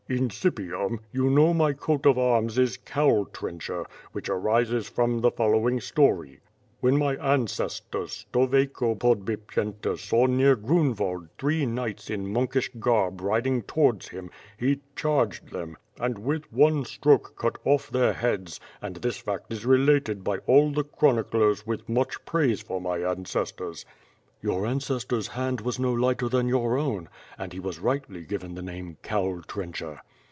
Incipiam, you know my coat of arms is Cowl Trencher, which arises from the fol lowing story: 'When my ancestor, Stoveiko Podbipyenta saw near Grunwald three knights in Monkish garb riding towards him, he charged them, and with one stroke cut off their heads and this fact is related by all the chroniclers with much praise for my ancestors.' " "Your ancestor's hand was no lighter than your own, and he was rightly given the name Cowl Trencher."